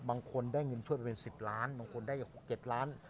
บางคนได้เงินช่วยไปเป็น๑๐ล้านบางคนได้๖๗ล้าน